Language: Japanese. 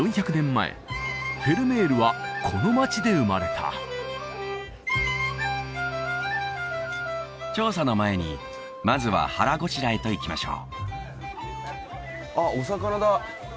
前フェルメールはこの街で生まれた調査の前にまずは腹ごしらえといきましょ